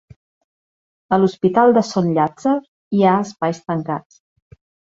A l'Hospital de Son Llàtzer hi ha espais tancats.